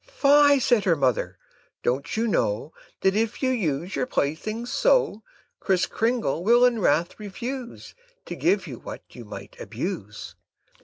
"Fie!" said her mother, "don't you know, That if you use your playthings so, Kriss Kringle will in wrath refuse To give you what you might abuse?